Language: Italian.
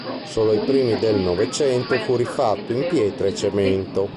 Solo ai primi del Novecento fu rifatto in pietra e cemento.